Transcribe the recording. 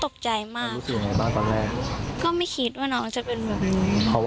การศึกไว้ยังเนิ่นอ่ะหรอ